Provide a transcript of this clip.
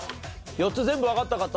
４つ全部わかった方？